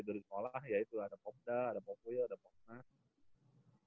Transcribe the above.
di sekolah ya itu ada pokda ada pokuya ada poknas